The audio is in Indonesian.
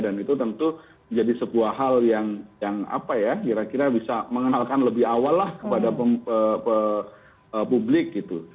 dan itu tentu menjadi sebuah hal yang kira kira bisa mengenalkan lebih awal lah kepada publik